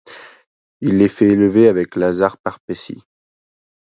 Il les fait élever avec Łazar Pʿarpec̣i.